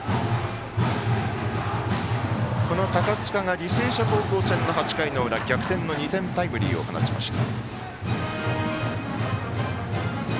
この高塚が履正社高校戦で逆転の２点タイムリーを放ちました。